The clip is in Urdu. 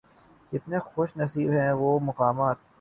کتنے خوش نصیب ہیں وہ مقامات